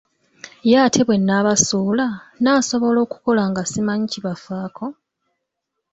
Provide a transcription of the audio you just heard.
Ye ate bwe nnaabasuula, nnaasobola okukola nga simanyi kibafaako?